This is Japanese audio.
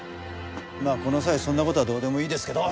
まあこの際そんな事はどうでもいいですけど。